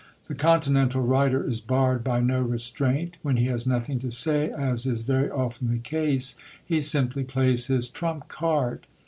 The Continental writer is barred by no restraint; when he has nothing to say, as is very often the case, he simply plays his trump card.